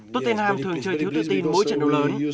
tottenham thường chơi thiếu tự tin mỗi trận đấu lớn